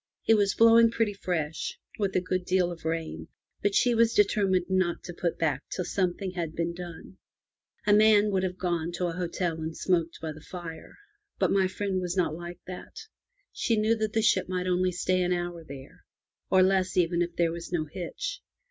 It was blow ing pretty fresh, with a good deal of rain, but she was determined not to put back till something had been done. A man would have gone to a hotel and smoked by the fire, but my friend was not 276 FROM THE TOWER WINDOW like that. She knew that the ship might only stay an hour there, or less even if there were no hitch.